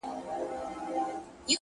صادق چلند د اړیکو عمر اوږدوي،